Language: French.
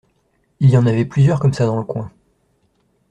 Il y en avait plusieurs comme ça dans le coin.